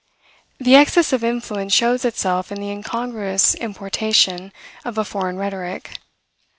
The excess of influence shows itself in the incongruous importation of a foreign rhetoric.